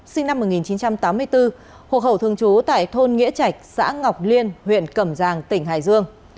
sinh năm một nghìn chín trăm tám mươi bốn hộp hậu thương chú tại thôn nghĩa trạch xã ngọc liên huyện cẩm giàng tỉnh hải dương